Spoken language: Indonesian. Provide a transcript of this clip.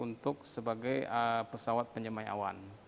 untuk sebagai pesawat penyemayawan